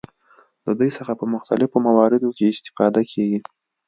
له دوی څخه په مختلفو مواردو کې استفاده کیږي.